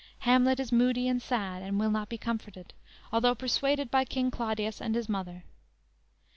Hamlet is moody and sad, and will not be comforted, although persuaded by King Claudius and his mother.